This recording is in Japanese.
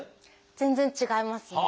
全然違いますね。